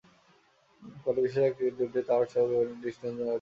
ফলে বিশেষ আকৃতির দুইটি টাওয়ার সহ ভবনটি দৃষ্টিনন্দন হয়ে উঠে।